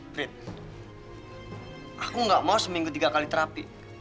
prit aku gak mau seminggu tiga kali terapi